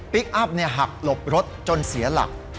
อัพหักหลบรถจนเสียหลัก